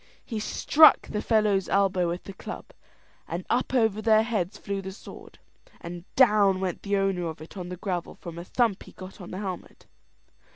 He struck the fellow's elbow with the club, and up over their heads flew the sword, and down went the owner of it on the gravel from a thump he got on the helmet.